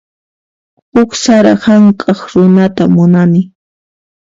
Huk sara hank'aq runata munani.